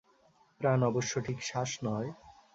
প্রাণ অবশ্য ঠিক শ্বাস নয়।